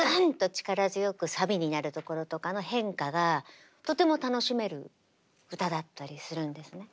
力強くサビになるところとかの変化がとても楽しめる歌だったりするんですね。